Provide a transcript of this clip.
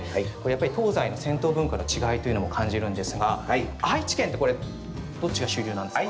東西の銭湯文化の違いというのも感じるんですが、愛知県ってこれどっちが主流なんですか？